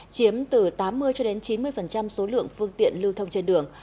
chiếm từ tám mươi cho đến chín mươi số lượng phương tiện lưu thông trên đường